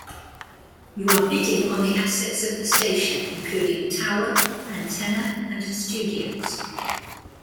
You are bidding on the assets of the station, including tower, antenna, and studios.